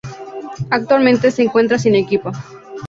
Actualmente, se encuentra sin equipo.